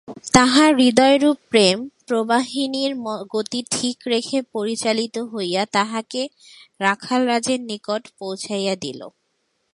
তাঁহার হৃদয়রূপ প্রেম-প্রবাহিণীর গতি ঠিক পথে পরিচালিত হইয়া তাঁহাকে রাখালরাজের নিকট পৌঁছাইয়া দিল।